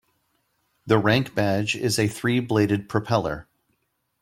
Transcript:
The rank badge is a three-bladed propeller.